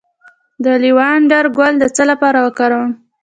د لیوانډر ګل د څه لپاره وکاروم؟